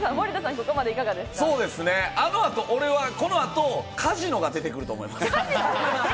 あの後、俺はこの後カジノが出てくると思います。